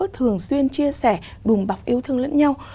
thường xuyên chia sẻ đùm bọc yêu thương lẫn nhau